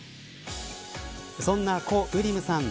そんなコ・ウリムさん。